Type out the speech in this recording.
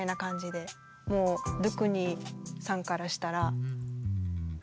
もうドゥクニさんからしたらもう。